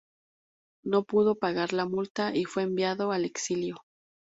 No pudo pagar la multa y fue enviado al exilio.